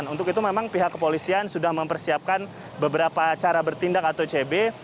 untuk itu memang pihak kepolisian sudah mempersiapkan beberapa cara bertindak atau cb